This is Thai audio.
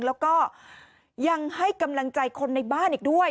แล้วก็ยังให้กำลังใจคนในบ้านอีกด้วย